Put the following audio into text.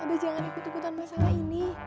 abah jangan ikut ikutan masalah ini